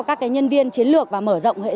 các nhân viên chiến lược và mở rộng